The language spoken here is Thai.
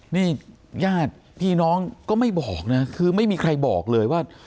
นี่ญาติพี่น้องก็ไม่บอกนะคือไม่มีใครบอกเลยว่า